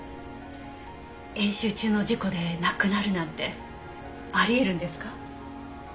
演習中の事故で亡くなるなんてあり得るんですか？